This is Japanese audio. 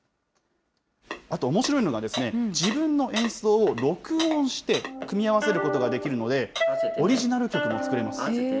あとおもしろいのが、自分の演奏を録音して組み合わせることができるので、オリジナル曲も作れます。